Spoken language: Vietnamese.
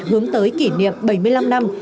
hướng tới kỷ niệm bảy mươi năm năm